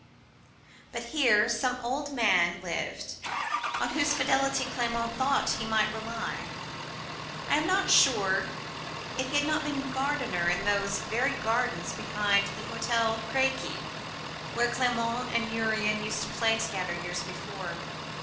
But here some old man lived, on whose fidelity Clement thought that he might rely. I am not sure if he had not been gardener in those very gardens behind the Hotel Crequy where Clement and Urian used to play together years before.